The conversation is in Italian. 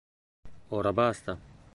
Ora basta!